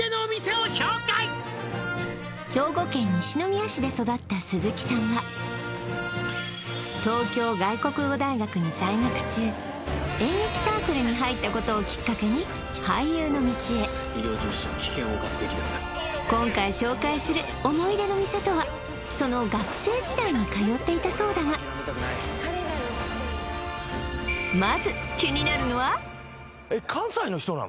兵庫県西宮市で育った鈴木さんは東京外国語大学に在学中演劇サークルに入ったことをきっかけに俳優の道へ今回紹介する思い出の店とはその学生時代に通っていたそうだがまずえっ関西なの？